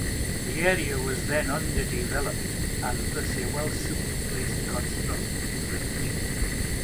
The area was then underdeveloped, and thus a well-suited place to construct the village.